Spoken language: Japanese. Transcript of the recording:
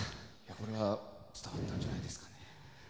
これは伝わったんじゃないですかね。